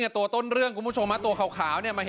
ถ่ายรูปหมา